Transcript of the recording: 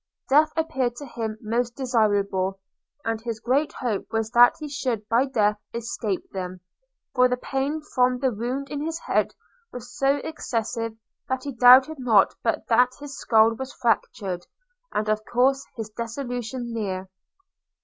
Death appeared to him most desirable; and his great hope was that he should by death escape them – for the pain from the wound in his head was so excessive, that he doubted not but that his scull was fractured, and of course his dissolution near.